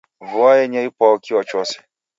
Vua yenya ipwau, kio chose